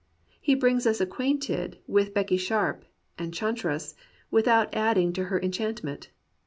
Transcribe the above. He brings us acquainted with Becky Sharp, enchanteresse, without adding to her enchantment.